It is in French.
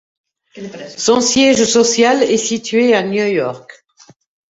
Son siège social est situé à New York.